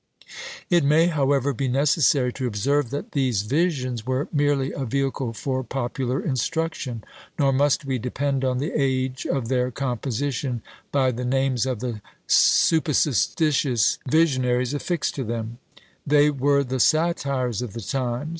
It may, however, be necessary to observe, that these "Visions" were merely a vehicle for popular instruction; nor must we depend on the age of their composition by the names of the supposititious visionaries affixed to them: they were the satires of the times.